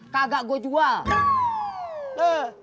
kagak gua jual